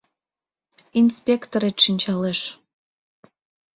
Инспекторет шинчалеш